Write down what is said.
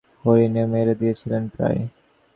একটা হরিণ-ই মেরে দিয়েছিলাম প্রায়।